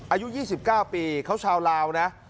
อายุยี่สิบเก้าปีเขาชาวลาวนะ